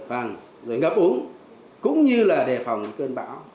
vàng rồi ngập úng cũng như là đề phòng cơn bão